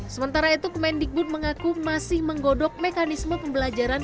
sementara itu kemendikbud mengaku masih menggodok mekanisme pembelajaran